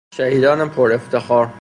شهیدان پرافتخار